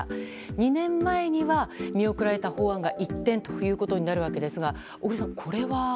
２年前には見送られた法案が一転ということになるわけですが小栗さん、これは？